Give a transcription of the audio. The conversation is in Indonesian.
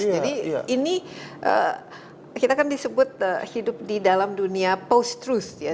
jadi ini kita kan disebut hidup di dalam dunia post truth